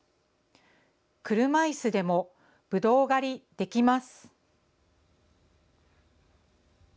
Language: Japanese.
車いすでもぶどう狩りできます。